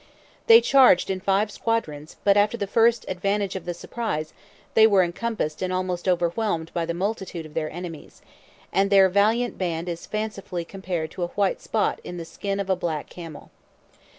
They charged in five squadrons; but after the first advantage of the surprise, they were encompassed and almost overwhelmed by the multitude of their enemies; and their valiant band is fancifully compared to a white spot in the skin of a black camel.